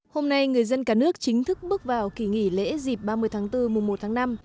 hôm nay người dân cả nước chính thức bước vào kỳ nghỉ lễ dịp ba mươi tháng bốn mùa một tháng năm